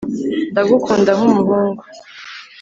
ndagukunda nk'umuhungu